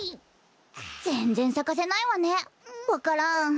ぜんぜんさかせないわねわか蘭。